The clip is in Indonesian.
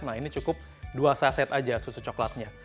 nah ini cukup dua saset aja susu coklatnya